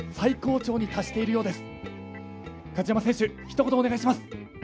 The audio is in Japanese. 一言お願いします。